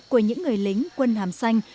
của những người lính quân hàm xanh